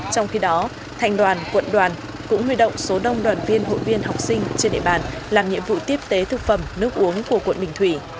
trong khi đó thành đoàn quận đoàn cũng huy động số đông đoàn viên hội viên học sinh trên địa bàn làm nhiệm vụ tiếp tế thực phẩm nước uống của quận bình thủy